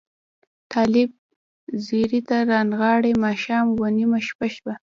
طالب ځیري ته رانغلې ماښام و نیمه شپه شوه